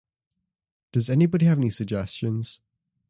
Does anyone have any suggestions?